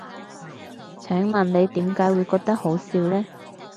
請問你點解會覺得好笑呢？